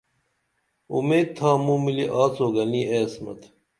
اُمید تھا موں ملی آڅو گنی اے عصمت